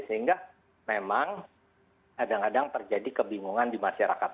sehingga memang kadang kadang terjadi kebingungan di masyarakat